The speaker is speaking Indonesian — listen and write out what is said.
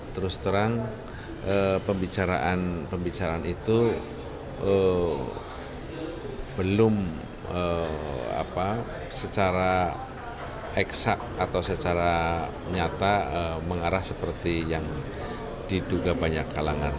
terus terang pembicaraan pembicaraan itu belum secara eksak atau secara nyata mengarah seperti yang diduga banyak kalangan